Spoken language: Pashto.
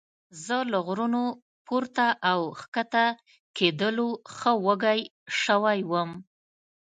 زه له غرونو پورته او ښکته کېدلو ښه وږی شوی وم.